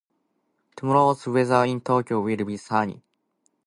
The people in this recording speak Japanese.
Tomorrow's weather in Tokyo will be sunny.